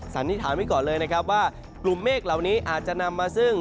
สันนิษฐานไว้ก่อนเลยนะครับว่ากลุ่มเมฆเหล่านี้อาจจะนำมาซึ่ง